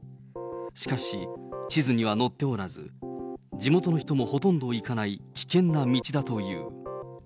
しかし、地図には載っておらず、地元の人もほとんど行かない危険な道だという。